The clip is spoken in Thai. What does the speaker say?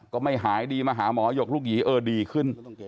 ก็ไม่หายดีมาหาหมอหยกลูกหยีเออดีขึ้น